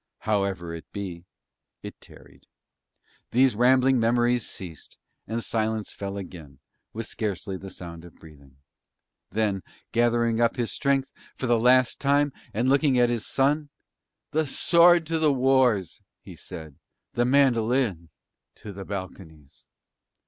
However it be, it tarried. These rambling memories ceased and silence fell again, with scarcely the sound of breathing. Then gathering up his strength for the last time and looking at his son, "The sword to the wars," he said. "The mandolin to the balconies."